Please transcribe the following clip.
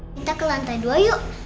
minta ke lantai dua yuk